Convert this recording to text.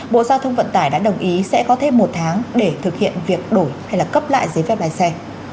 bộ giao thông vận tải đã đồng ý sẽ có thêm một tháng để thực hiện việc đổi hay là cấp lại giấy phép lái xe